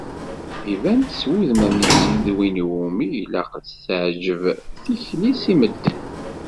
Iban-d s wudem amsisi d win iwumi i ilaq ad tt-teεǧeb tikli-s i medden.